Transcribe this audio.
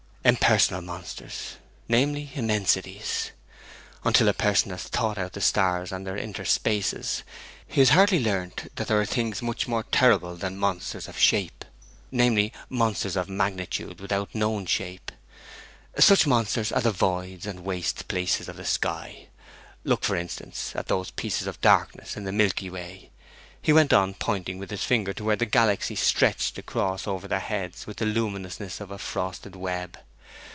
'Impersonal monsters, namely, Immensities. Until a person has thought out the stars and their inter spaces, he has hardly learnt that there are things much more terrible than monsters of shape, namely, monsters of magnitude without known shape. Such monsters are the voids and waste places of the sky. Look, for instance, at those pieces of darkness in the Milky Way,' he went on, pointing with his finger to where the galaxy stretched across over their heads with the luminousness of a frosted web.